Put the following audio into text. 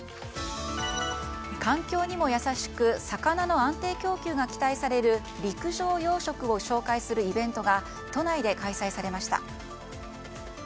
環境にも優しく魚の安定供給が期待される陸上養殖を紹介するイベントが都内で開催されました。